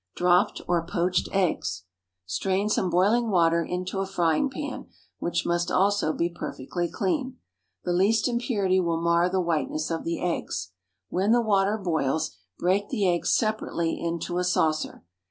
DROPPED OR POACHED EGGS. Strain some boiling water into a frying pan, which must also be perfectly clean. The least impurity will mar the whiteness of the eggs. When the water boils, break the eggs separately into a saucer.